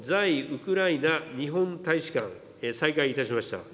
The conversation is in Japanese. ウクライナ日本大使館、再開いたしました。